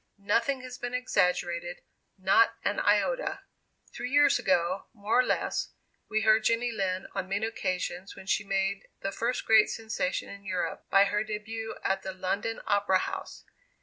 Nothing has been exaggerated, not an iota. Three years ago, more or less, we heard Jenny Lind on many occasions when she made the first great sensation in Europe, by her début at the London Opera House.